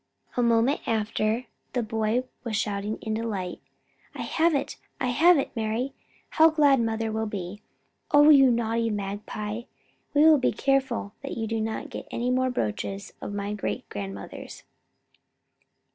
A moment after, the boy was shouting in delight. "I have it, I have it, Mari. How glad mother will be. O, you naughty magpie. We will be careful that you don't get any more brooches of my great grandmother's."